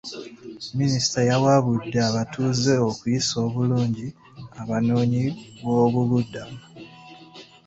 Minisita yawabudde abatuuze okuyisa obulungi abanoonyiboobubudamu.